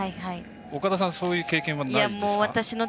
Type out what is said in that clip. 岡田さん、そういう経験はないですか？